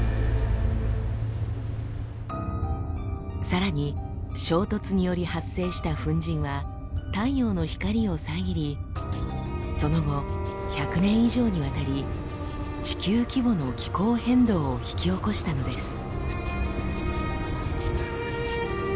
さらに衝突により発生した粉じんは太陽の光を遮りその後１００年以上にわたり地球規模の気候変動を引き起こしたのです。